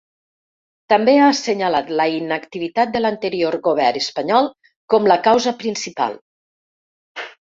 També ha assenyalat la inactivitat de l’anterior govern espanyol com la causa principal.